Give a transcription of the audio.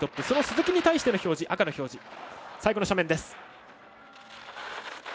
その鈴木に対しての赤の表示。